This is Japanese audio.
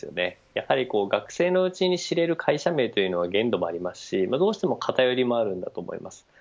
やはり学生のうちに知れる会社名というのは限度もありますしどうしても偏りもあると思います。